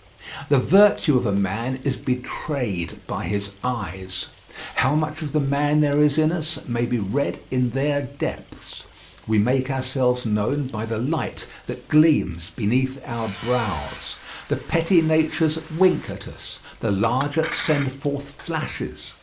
The virtue of a man is betrayed by his eyes. How much of the man there is in us may be read in their depths. We make ourselves known by the light that gleams beneath our brows. The petty natures wink at us, the larger send forth flashes.